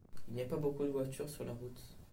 Il n'y a pas beaucoup de voitures sur la route.